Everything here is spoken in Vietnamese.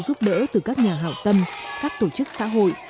để giúp đỡ từ các nhà hào tâm các tổ chức xã hội